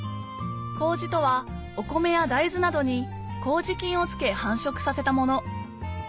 麹とはお米や大豆などに麹菌をつけ繁殖させたもの